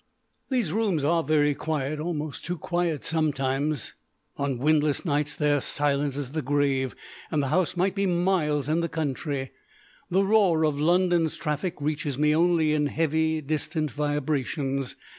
These rooms are very quiet, almost too quiet sometimes. On windless nights they are silent as the grave, and the house might be miles in the country. The roar of London's traffic reaches me only in heavy, distant vibrations.